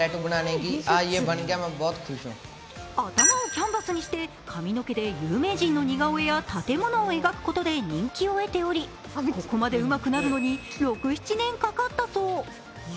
頭をキャンバスにして髪の毛で有名人の似顔絵や建物を描くことで人気を得ておりここまでうまくなるのに６７年かかったそう。